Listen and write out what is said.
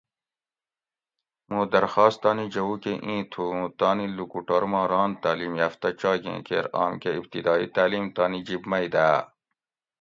مُوں درخواست تانی جؤو کۤہ اِیں تھُو اُوں تانی لُکوٹور ما ران تعلیم یافتہ چاگیں کیر آم کۤہ ابتدائ تعلیم تانی جِب مئ داۤ